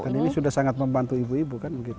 kan ini sudah sangat membantu ibu ibu